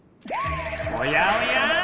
おやおや？